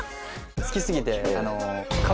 好きすぎて。